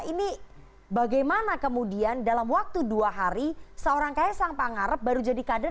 ini bagaimana kemudian dalam waktu dua hari seorang kaisang pangarep baru jadi kader